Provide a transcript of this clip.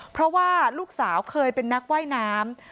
เพราะว่าลูกสาวเคยเป็นนักว่ายน้ำ